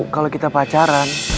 kalo kita pacaran